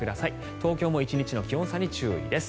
東京も１日の気温差に注意です。